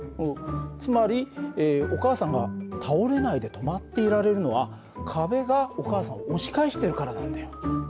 つまりお母さんが倒れないで止まっていられるのは壁がお母さんを押し返してるからなんだよ。